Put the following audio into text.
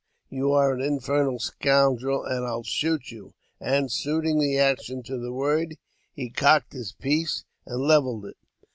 "You are an infernal scoundrel, and I'll shoot you ;" and, suiting the action to the word, he cocked his piece and levelled it.